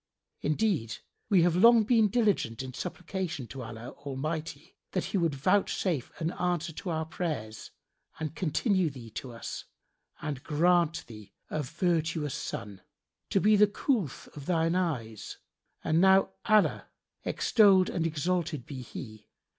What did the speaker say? [FN#75] Indeed, we have long been diligent in supplication to Allah Almighty that He would vouchsafe an answer to our prayers and continue thee to us and grant thee a virtuous son, to be the coolth of thine eyes: and now Allah (extolled and exalted be He!)